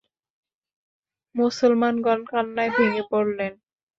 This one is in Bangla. মুসলমানগণ কান্নায় ভেঙ্গে পড়লেন।